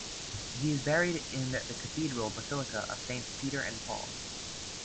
He is buried in the Cathedral Basilica of Saints Peter and Paul.